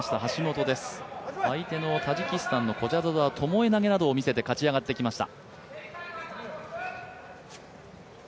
相手のタジキスタンのコジャゾダはともえ投げなどを見せて勝ち上がってきました。